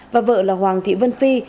và vợ là hoàng thị vân phi